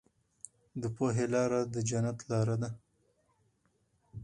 د پوهې لاره د جنت لاره ده.